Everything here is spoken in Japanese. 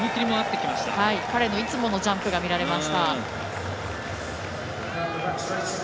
彼のいつものジャンプが見られました。